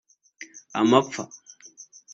amapfa